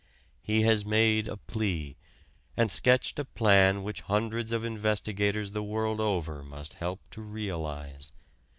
He has made a plea, and sketched a plan which hundreds of investigators the world over must help to realize.